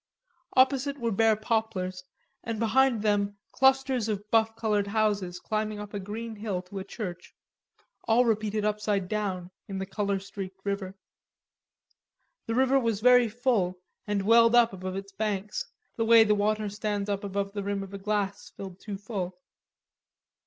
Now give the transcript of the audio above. Opposite were bare poplars and behind them clusters of buff colored houses climbing up a green hill to a church, all repeated upside down in the color streaked river. The river was very full, and welled up above its banks, the way the water stands up above the rim of a glass filled too full.